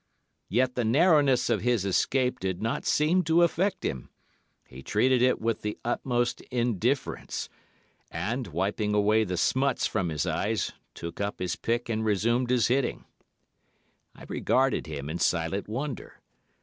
Yet the narrowness of his escape did not seem to affect him; he treated it with the utmost indifference, and, wiping away the smuts from his eyes, took up his pick and resumed his hitting. I regarded him in silent wonder.